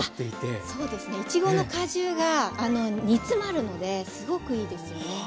いちごの果汁が煮詰まるのですごくいいですよね。